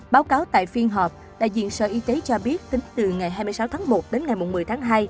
báo cáo tại phiên họp đại diện sở y tế cho biết tính từ ngày hai mươi sáu tháng một đến ngày một mươi tháng hai